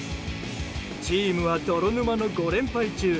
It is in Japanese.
チームは泥沼の５連敗中。